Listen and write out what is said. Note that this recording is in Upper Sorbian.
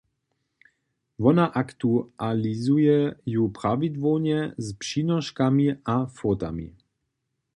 Wona aktualizuje ju prawidłownje z přinoškami a fotami.